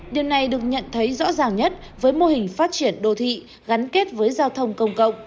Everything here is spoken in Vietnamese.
điều này được nhận thấy rõ ràng nhất với mô hình phát triển đô thị gắn kết với giao thông công cộng